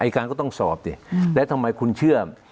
การก็ต้องสอบดิแล้วทำไมคุณเชื่อ